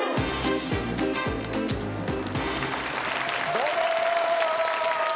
どうも！